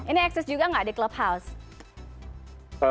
ini eksis juga nggak di clubhouse